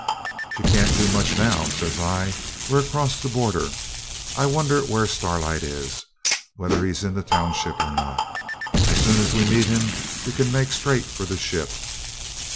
'She can't do much now,' says I. 'We're across the border. I wonder where Starlight is whether he's in the township or not? As soon as we meet him we can make straight for the ship.'